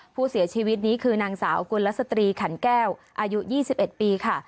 ผู้เสียชีวิตนี้คือนางสาวกุลสตรีขันแก้วอายุ๒๑ปีค่ะ